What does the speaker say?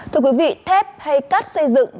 thưa quý vị thép hay cắt xây dựng